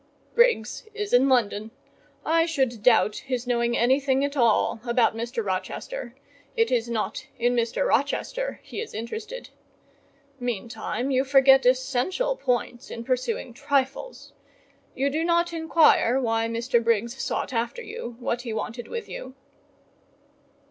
"Briggs is in London. I should doubt his knowing anything at all about Mr. Rochester; it is not in Mr. Rochester he is interested. Meantime, you forget essential points in pursuing trifles: you do not inquire why Mr. Briggs sought after you—what he wanted with you."